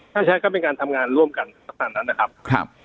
ถ้าใช้ก็เป็นการทำงานร่วมกันสักสักนั้นนะครับครับ